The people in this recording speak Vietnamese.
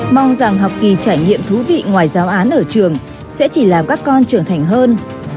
mong rằng học kỳ trải nghiệm thú vị ngoài giáo án ở trường sẽ chỉ làm các con trưởng thành hơn